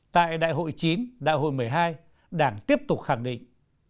tại đại hội chín đại hội một mươi hai đảng tiếp tục khẳng định